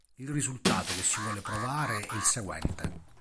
Il risultato che si vuole provare è il seguente.